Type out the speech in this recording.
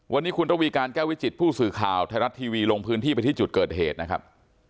วันนี้คุณระวีการแก้ววิจิตผู้สื่อข่าวไทยรัฐทีวีลงพื้นที่ไปที่จุดเกิดเหตุนะครับ